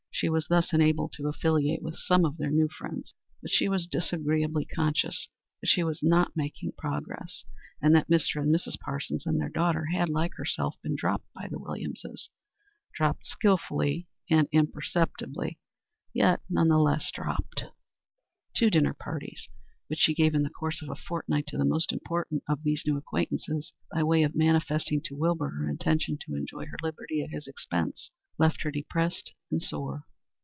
She was thus enabled to affiliate with some of their new friends, but she was disagreeably conscious that she was not making real progress, and that Mr. and Mrs. Parsons and their daughter had, like herself, been dropped by the Williamses dropped skilfully and imperceptibly, yet none the less dropped. Two dinner parties, which she gave in the course of a fortnight to the most important of these new acquaintances, by way of manifesting to Wilbur her intention to enjoy her liberty at his expense, left her depressed and sore.